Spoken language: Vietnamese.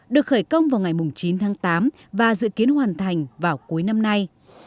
được khởi công vào ngày chín tháng tám và dự kiến hoàn thành vào cuối năm nay